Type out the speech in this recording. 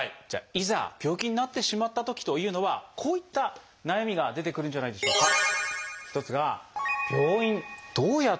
じゃあいざ病気になってしまったときというのはこういった悩みが出てくるんじゃないでしょうか。